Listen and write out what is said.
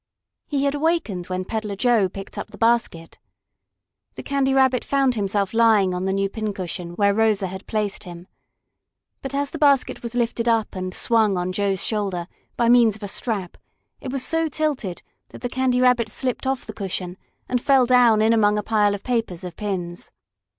He had awakened when Peddler Joe picked up the basket. The Candy Rabbit found himself lying on the new pin cushion, where Rosa had placed him. But as the basket was lifted up and swung on Joe's shoulder by means of a strap, it was so tilted that the Candy Rabbit slipped off the cushion and fell down in among a pile of papers of pins.